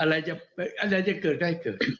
อะไรจะเกิดได้เกิดไม่ได้